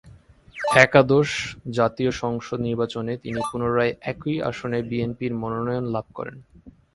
একাদশ জাতীয় সংসদ নির্বাচনে তিনি পুনরায় একই আসনে বিএনপির মনোনয়ন লাভ করেন।